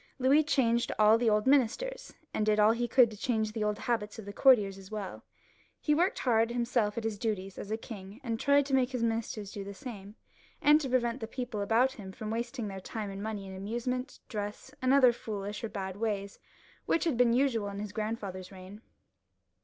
Louis changed all the old nunisters, and did all he could to change the old habits of the courtiers as welL He worked hard himself at his duties as a king, and tried to make his ministers do the same ; and to prevent the people about him from wasting their 376 LOUIS XVL [CH. time and money in amusement, dress, and other foolish or bad ways, which had been usual in his grandfather's reign.